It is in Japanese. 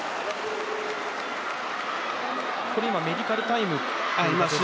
今、メディカルタイムですかね。